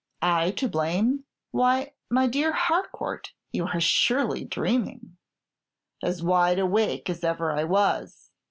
"I to blame! Why, my dear Harcourt, you are surely dreaming." "As wide awake as ever I was.